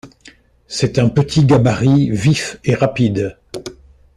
C'est un petit gabarit vif et rapide.